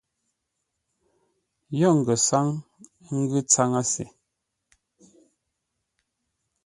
Yo ngəsáŋ ə́ ngʉ̌ tsáŋə́ se.